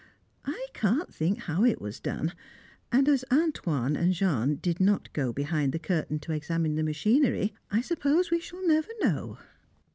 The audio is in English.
I can't think how it was done, and as "Antoine" and Jean did not go behind the curtain to examine the machinery, I suppose we shall never know.